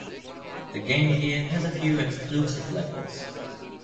The Game Gear has a few exclusive levels.